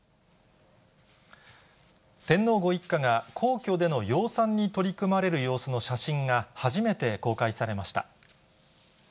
天皇ご一家が、皇居での養蚕に取り組まれる様子の写真が初めて公開されました。